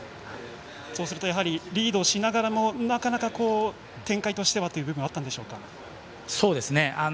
そうするとリードをしながらもなかなか展開としてはという部分があったんでしょうか。